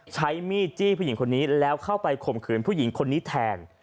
ใช้มีดจี้ผู้หญิงคนนี้แล้วเข้าไปข่มขืนผู้หญิงคนนี้แทน